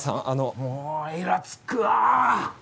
もういらつくわ！